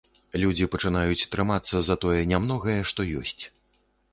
Людзі пачынаюць трымацца за тое нямногае, што ёсць.